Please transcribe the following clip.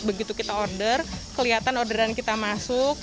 begitu kita order kelihatan orderan kita masuk